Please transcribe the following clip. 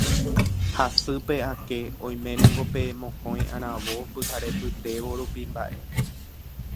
hasýpe ake oiménengo pe mokõi aravo pyharepytévo rupi mba'e.